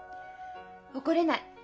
怒れない。